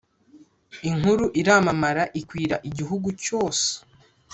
inkuru iramamara ikwira igihugu cyose,